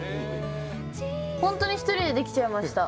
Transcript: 本当に１人でできちゃいました。